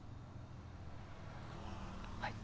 はい。